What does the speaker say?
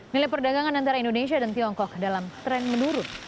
nilai perdagangan antara indonesia dan tiongkok dalam tren menurun